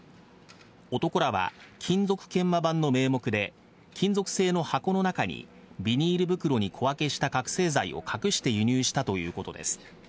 男らは金属研磨盤の名目で、金属製の箱の中にビニール袋に小分けした覚醒剤を隠して輸入したということです。